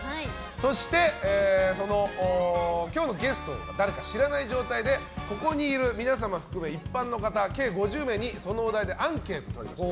そして今日のゲストが誰か知らない状態でここにいる皆様含め一般の方計５０名にそのお題でアンケートを取り巻した。